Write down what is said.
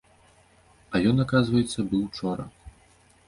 А ён, аказваецца, быў учора.